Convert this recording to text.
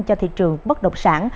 cho thị trường bất động sản